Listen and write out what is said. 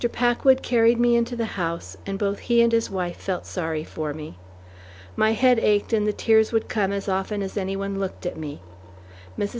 Packwood carried me into the house, and both he and his wife felt sorry for me. My head ached and the tears would come as often as any one looked at me. Mrs.